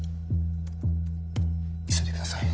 急いでください。